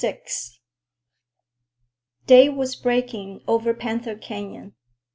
VI Day was breaking over Panther Canyon.